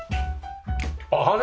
あれ？